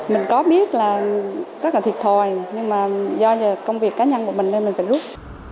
mình có biết là rất là thiệt thòi nhưng mà do công việc cá nhân của mình nên mình phải rút